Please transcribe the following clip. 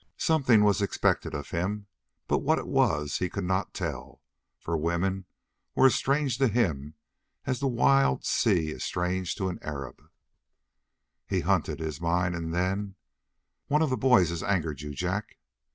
Something was expected of him, but what it was he could not tell, for women were as strange to him as the wild sea is strange to the Arab. He hunted his mind, and then: "One of the boys has angered you, Jack?"